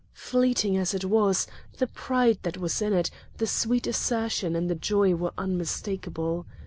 Fleeting as it was, the pride that was in it, the sweet assertion and the joy were unmistakable.